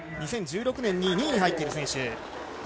２０１６年に２位に入っている選手。